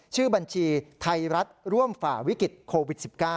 ชื่อบัญชีไทยรัฐร่วมฝ่าวิกฤตโควิด๑๙